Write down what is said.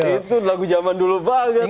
itu lagu zaman dulu banget